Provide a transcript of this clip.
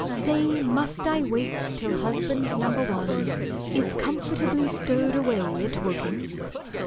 Say, must I wait till husband number one Is comfortably stowed away at Woking?